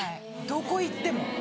どこ行っても？